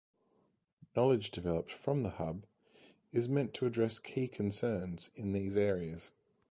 Knowledge developed from the Hub is meant to address key concerns in these areas.